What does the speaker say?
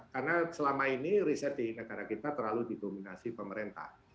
karena selama ini riset di negara kita terlalu didominasi pemerintah